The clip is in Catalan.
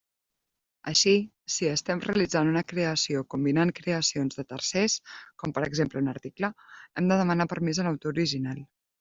Així, si estem realitzant una creació combinant creacions de tercers, com per exemple un article, hem de demanar permís a l'autor original.